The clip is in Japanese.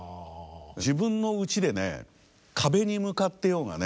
自分のうちでね壁に向かってようがね